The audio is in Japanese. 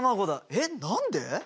えっ何で！？